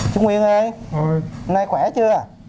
chú nguyên ơi hôm nay khỏe chưa